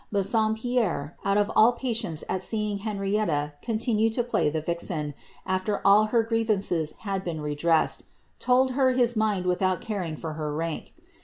Bassompierre, out of all patience at seeing Henrietta con lay the vixen, afler all her grievances had been redressed, told ind without caring for her rank.